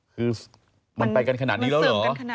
คือมันไปกันขนาดนี้แล้วเหรอ